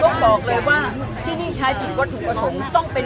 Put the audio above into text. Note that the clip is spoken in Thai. ของน้องดวงเราไม่ใช่ศีลงคลิน๕๒